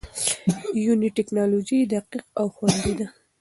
یوني ټېکنالوژي دقیق او خوندي ده.